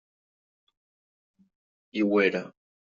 I ho era.